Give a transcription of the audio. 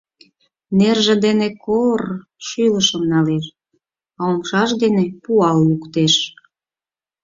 Нерже дене кор-р-р шӱлышым налеш, а умшаж дене пуал луктеш.